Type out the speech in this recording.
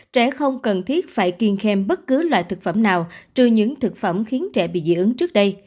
trẻ không cần thiết phải kiên thêm bất cứ loại thực phẩm nào trừ những thực phẩm khiến trẻ bị dị ứng trước đây